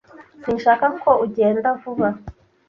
Sinshaka ko ugenda vuba.